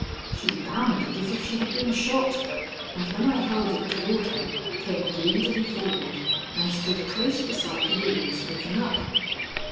She bounded as if she had been shot, and when I held it toward her came greedily forward and stood close beside the wheels looking up.